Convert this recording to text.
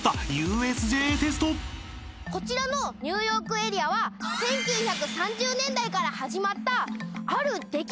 こちらのニューヨーク・エリアは１９３０年代から始まったある出来事があったんです。